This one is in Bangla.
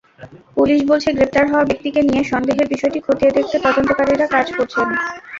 পুলিশ বলছে, গ্রেপ্তার হওয়া ব্যক্তিকে নিয়ে সন্দেহের বিষয়টি খতিয়ে দেখতে তদন্তকারীরা কাজ করছেন।